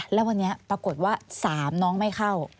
แล้ววันนี้ปรากฏว่า๓น้องไม่เข้า